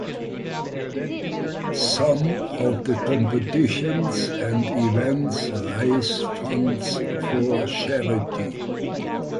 Some of the competitions and events raise funds for charity.